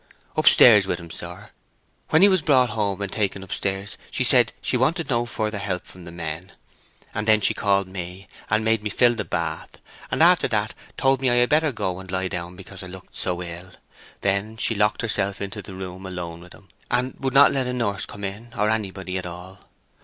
"Upstairs with him, sir. When he was brought home and taken upstairs, she said she wanted no further help from the men. And then she called me, and made me fill the bath, and after that told me I had better go and lie down because I looked so ill. Then she locked herself into the room alone with him, and would not let a nurse come in, or anybody at all.